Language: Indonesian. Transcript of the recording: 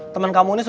temen kamu ini seru